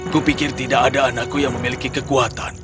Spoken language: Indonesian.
kupikir tidak ada anakku yang memiliki kekuatan